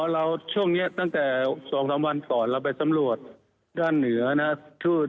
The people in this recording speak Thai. เราช่วงนี้ตั้งแต่๒๓วันก่อนเราไปสำรวจด้านเหนือนะครับ